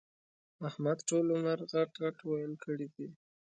احمد ټول عمر غټ ِغټ ويل کړي دي.